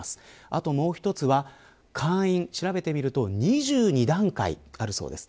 あともう一つは、調べてみると２２段階あるそうです。